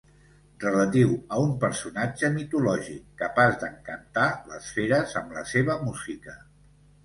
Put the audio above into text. Relatiu a un personatge mitològic capaç d'encantar les feres amb la seva música.